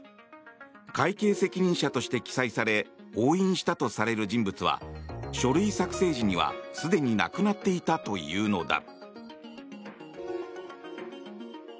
会計責任者として記載され押印したとされる人物は書類作成時には、すでに亡くなっていたというのだ。